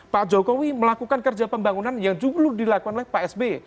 pak jokowi melakukan kerja pembangunan yang dulu dilakukan oleh pak sby